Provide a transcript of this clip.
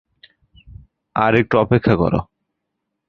আর একটু অপেক্ষা কর।